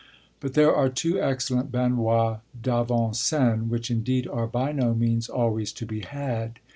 But there are two excellent baignoires d'avant scène, which indeed are by no means always to be had.